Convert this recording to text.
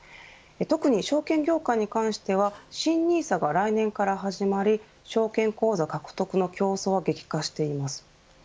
特に証券業界に関しては新ＮＩＳＡが来年から始まり証券口座獲得の競争は激化しています。